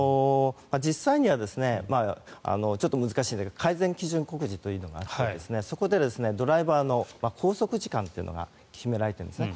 実際にはちょっと難しいんですけど改善基準告示というのがあってそこでドライバーの拘束時間というのが決められているんですね。